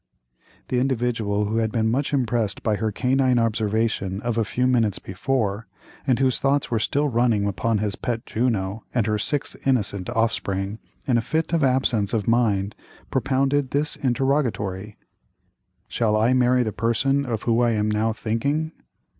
The Individual, who had been much impressed by her canine observation of a few minutes before, and whose thoughts were still running upon his pet Juno, and her six innocent offspring, in a fit of absence of mind propounded this interrogatory: "Shall I marry the person of whom I am now thinking?"